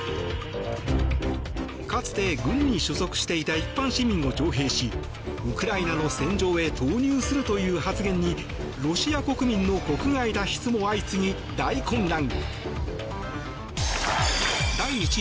かつて軍に所属していた一般市民を徴兵しウクライナの戦場へ投入するという発言にロシア国民の国外脱出も相次ぎ大混乱。